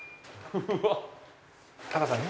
タカさん